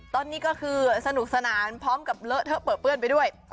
ตอนนี้ก็คือสนุกสนานพร้อมกับเลอะเทอะเปลือเปื้อนไปด้วย